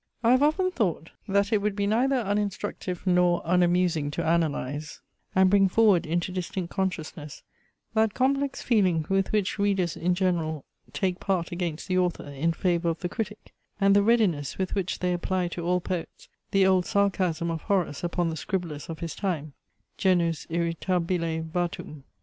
I have often thought, that it would be neither uninstructive nor unamusing to analyze, and bring forward into distinct consciousness, that complex feeling, with which readers in general take part against the author, in favour of the critic; and the readiness with which they apply to all poets the old sarcasm of Horace upon the scribblers of his time genus irritabile vatum.